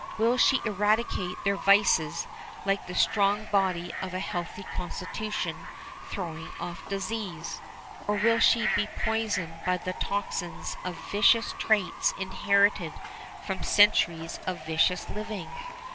Will she eradicate their vices like the strong body of a healthy constitution throwing off disease; or will she be poisoned by the toxins of vicious traits inherited from centuries of vicious living?